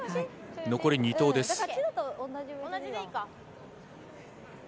残り２投です。